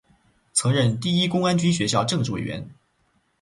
曾任第一公安军学校政治委员。